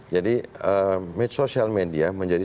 jadi social media menjadi